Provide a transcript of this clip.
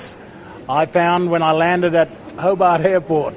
saya menemui ketika saya terbang di hobart airport